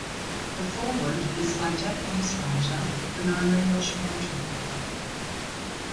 The foreword is by Japanese writer Banana Yoshimoto.